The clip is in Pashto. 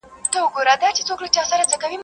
چي راټوپ كړله ميدان ته يو وگړي.